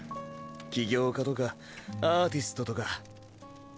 起業家とかアーティストとか。